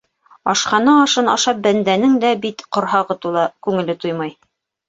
Ашхана ашын ашап бәндәнең дә бит ҡорһағы тула - күңеле туймай.